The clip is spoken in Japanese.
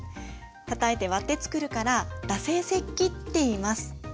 たたいて割って作るから打製石器っていいます。